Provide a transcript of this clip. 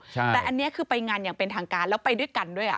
แต่อันนี้คือไปงานอย่างเป็นทางการแล้วไปด้วยกันด้วย